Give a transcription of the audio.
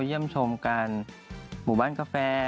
มีฉุมกานหมู่บ้านกาแฟ